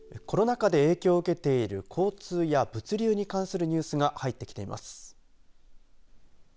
コロナ禍で影響を受けている交通や物流に関するニュースが入ってきています。